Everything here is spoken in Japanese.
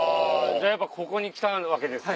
じゃあやっぱここに来たわけですね。